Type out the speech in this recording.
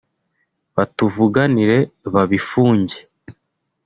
batuvuganire babifunge